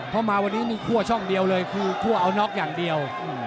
เพราะมาวันนี้นี่คั่วช่องเดียวเลยคือคั่วเอาน็อกอย่างเดียว